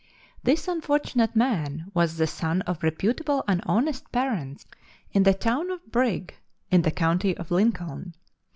This unfortunate man was the son of reputable and honest parents in the town of Brigg in the county of Lincoln.